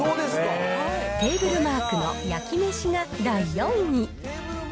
テーブルマークの焼めしが第４位。